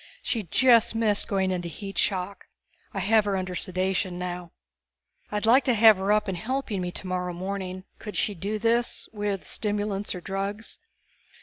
She just missed going into heat shock. I have her under sedation now." "I'd like to have her up and helping me tomorrow morning. Could she do this with stimulants or drugs?"